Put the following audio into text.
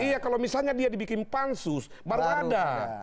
iya kalau misalnya dia dibikin pansus baru ada